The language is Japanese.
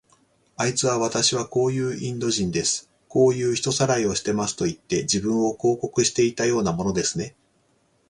あいつは、わたしはこういうインド人です。こういう人さらいをしますといって、自分を広告していたようなものですね。